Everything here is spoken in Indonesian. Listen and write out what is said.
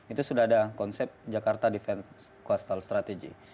itu sudah ada konsep jakarta defense coastal strategy